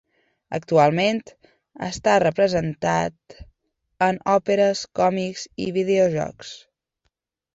Actualment està representat en òperes, còmics i videojocs.